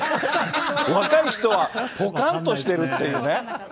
若い人は、ぽかんとしてるっていうね。